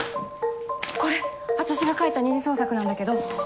これ私が描いた二次創作なんだけど。